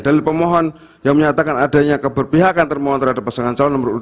dalil pemohon yang menyatakan adanya keberpihakan termohon terhadap pasangan calon nomor dua